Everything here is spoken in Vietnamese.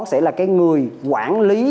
sẽ là cái người quản lý